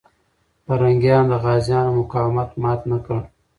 پرنګیان د غازيانو مقاومت مات نه کړ.